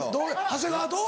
長谷川と？